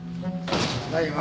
ただいま。